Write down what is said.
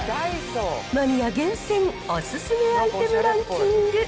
マニア厳選、おすすめアイテムランキング。